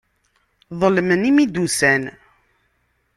Ḍelmen mi d-ussan.